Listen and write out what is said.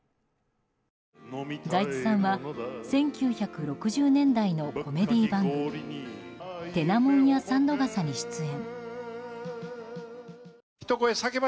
財津さんは１９６０年代のコメディー番組「てなもんや三度笠」に出演。